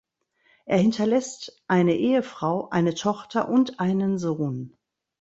Er hinterlässt eine Ehefrau eine Tochter und einen Sohn.